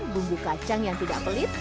bumbu kacang yang tidak pelit